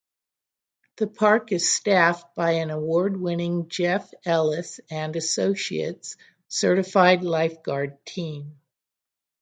The park is staffed by an award-winning Jeff Ellis and Associates certified lifeguard team.